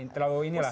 terlalu ini lah